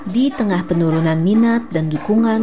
di tengah penurunan minat dan dukungan